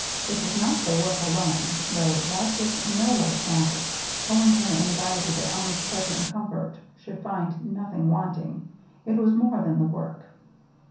It was not the work alone though that was no light matter, owing to her anxiety that Alma's pleasure and comfort should find nothing wanting it was more than the work.